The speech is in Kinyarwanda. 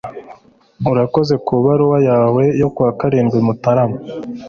urakoze kubaruwa yawe yo kuwa karindwi mutarama